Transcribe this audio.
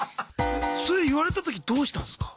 それ言われた時どうしたんすか？